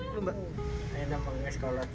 ini enak banget ya sekolah tiaga